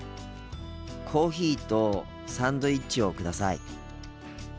コーヒーとサンドイッチをください。